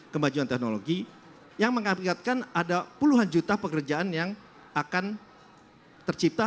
kemajuan teknologi yang mengakibatkan ada puluhan juta pekerjaan yang akan tercipta